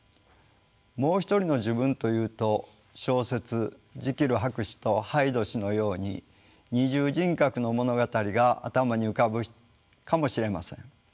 「もう一人の自分」というと小説「ジキル博士とハイド氏」のように二重人格の物語が頭に浮かぶかもしれません。